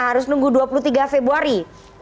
harus nunggu dua puluh tiga februari